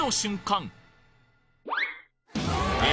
え？